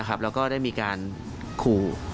แล้วก็ได้มีการขู่